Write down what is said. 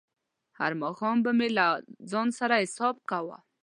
هر ماښام به مې له ځان سره حساب کاوه.